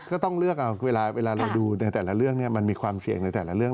ก็ต้องเลือกเวลาเราดูในแต่ละเรื่องมันมีความเสี่ยงในแต่ละเรื่อง